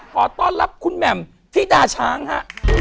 ขอต้อนรับคุณแหม่มที่ดาช้างฮะ